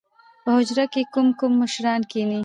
په حجره کښې کوم کوم مشران کښېني؟